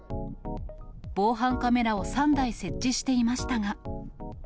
防犯カメラを３台設置していましたが。